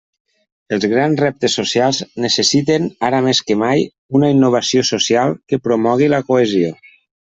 Els grans reptes socials necessiten, ara més que mai, una innovació social que promogui la cohesió.